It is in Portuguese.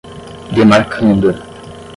demarcanda